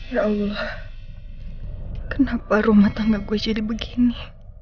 ya allah kenapa rumah tangga gue jadi begini